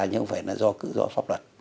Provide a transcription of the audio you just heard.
nhưng không phải là do pháp luật